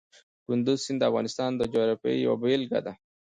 کندز سیند د افغانستان د جغرافیې یوه بېلګه ده.